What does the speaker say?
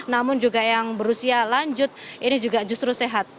namun juga yang berusia lanjut ini juga justru sehat